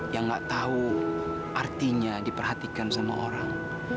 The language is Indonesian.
yang gak tahu artinya diperhatikan sama orang